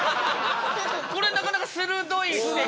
これなかなか鋭い指摘。